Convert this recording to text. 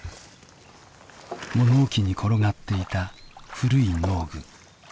物置に転がっていた古い農具。